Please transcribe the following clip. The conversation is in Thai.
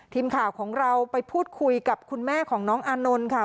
ทีมข่าวของเราไปพูดคุยกับคุณแม่ของน้องอานนท์ค่ะ